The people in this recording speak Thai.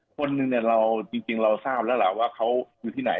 คนหนึ่งเนี่ยเราจริงเราทราบแล้วล่ะว่าเขาอยู่ที่ไหน